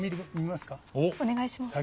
お願いします。